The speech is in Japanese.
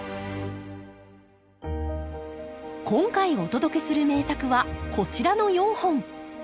今回お届けする名作はこちらの４本。